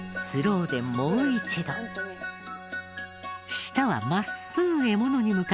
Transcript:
舌は真っすぐ獲物に向かっていき